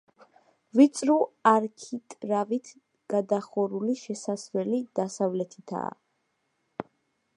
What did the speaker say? ვიწრო არქიტრავით გადახურული შესასვლელი დასავლეთითაა.